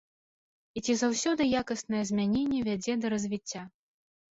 І ці заўсёды якаснае змяненне вядзе да развіцця?